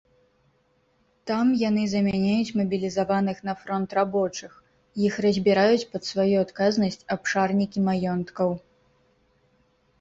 Там яны замяняюць мабілізаваных на фронт рабочых, іх разбіраюць пад сваю адказнасць абшарнікі маёнткаў.